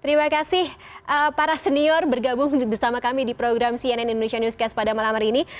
terima kasih para senior bergabung bersama kami di program cnn indonesia newscast pada malam hari ini